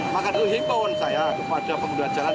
maka dulu hipon saya kepada pengguna jalan